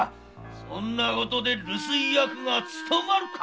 そんなことで留守居役が勤まるか！